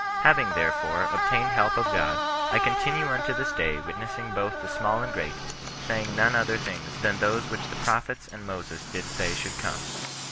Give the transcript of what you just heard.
Having, therefore, obtained help of God, I continue imto this day witnessing both to small and great, saying none other things than those which the prophets and Moses did say should come.